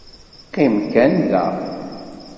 Qim kan da!